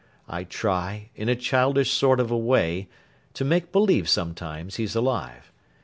I try, in a childish sort of a way, to make believe, sometimes, he's alive.